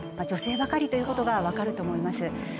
女性ばかりということが分かると思います。